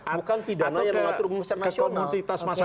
bukan pidana yang mengatur ke komunitas masyarakat pasal